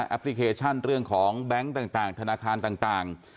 พลิเคชันเรื่องของแบงค์ต่างธนาคารต่าง